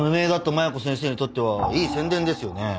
麻弥子先生にとってはいい宣伝ですよね。